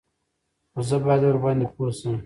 _خو زه بايد ورباندې پوه شم.